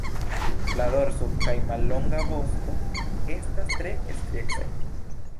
La dorso kaj mallonga vosto estas tre striecaj.